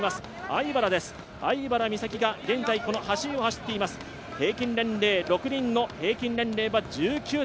相原です、相原美咲が現在この走りを走っています、平均年齢６人の平均年齢は１９．８歳。